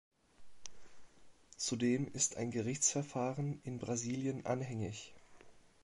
Zudem ist ein Gerichtsverfahren in Brasilien anhängig.